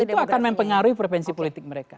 itu akan mempengaruhi frevensi politik mereka